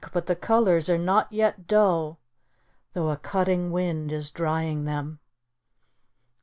. but the colours are not yet dull, though a cutting wind is drying them.